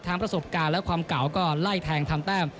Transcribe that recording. ประสบการณ์และความเก่าก็ไล่แทงทำแต้ม